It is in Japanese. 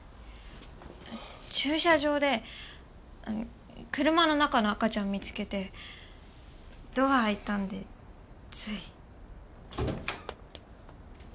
駐車場で車の中の赤ちゃん見つけてドア開いたんでつい。